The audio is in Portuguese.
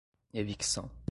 evicção